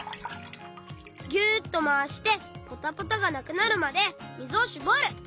ぎゅっとまわしてポタポタがなくなるまでみずをしぼる！